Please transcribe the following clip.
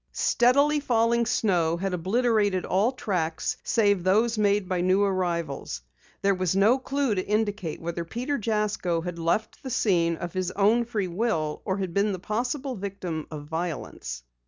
Steadily falling snow had obliterated all tracks save those made by the new arrivals. There was no clue to indicate whether Peter Jasko had left the scene of his own free will or had been the possible victim of violence.